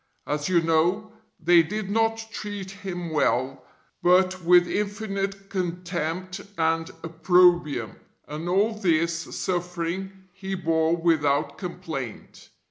As you know, they did not treat Him well, but with infinite contempt and opprobium, and all this suffering He bore without complaint.